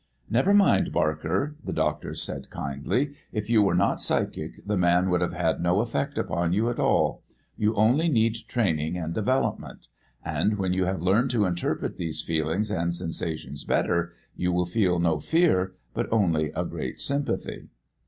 "Never mind, Barker," the doctor said kindly; "if you were not psychic the man would have had no effect upon you at all. You only need training and development. And when you have learned to interpret these feelings and sensations better, you will feel no fear, but only a great sympathy."